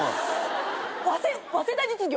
早稲田実業！？